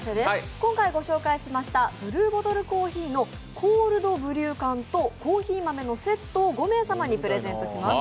今回ご紹介したＢｌｕｅＢｏｔｔｌｅＣｏｆｆｅｅのコールドブリュー缶とコーヒー豆のセットを５名様にプレゼントします。